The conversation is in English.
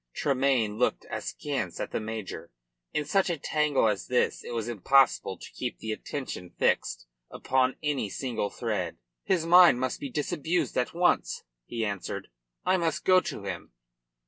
Tremayne looked askance at the major. In such a tangle as this it was impossible to keep the attention fixed upon any single thread. "His mind must be disabused at once," he answered. "I must go to him."